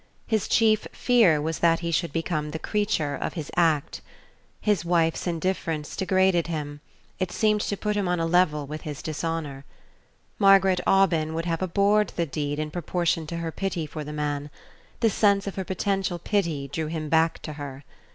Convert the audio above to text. His chief fear was that he should become the creature of his act. His wife's indifference degraded him; it seemed to put him on a level with his dishonor. Margaret Aubyn would have abhorred the deed in proportion to her pity for the man. The sense of her potential pity drew him back to her.